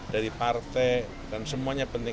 dari partai dan semuanya penting